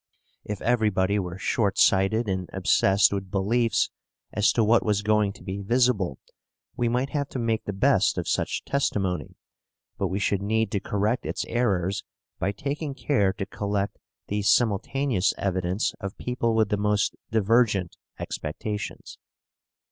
If everybody were shortsighted and obsessed with beliefs as to what was going to be visible, we might have to make the best of such testimony, but we should need to correct its errors by taking care to collect the simultaneous evidence of people with the most divergent expectations.